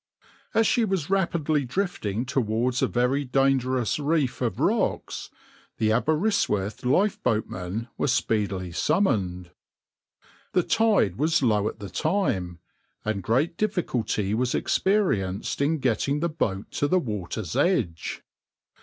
As she was rapidly drifting towards a very dangerous reef of rocks, the Aberystwyth lifeboatmen were speedily summoned. The tide was low at the time, and great difficulty was experienced in getting the boat to the water's edge.